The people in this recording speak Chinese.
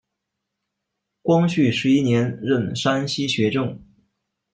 光绪十一年任山西学政。